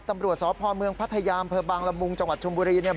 ตำรวจสวพพลเมืองพัทยามเผอร์บางละมุงจังหวัดชมบุรี